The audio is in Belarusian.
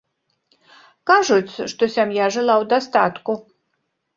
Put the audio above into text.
Кажуць, што сям'я жыла ў дастатку.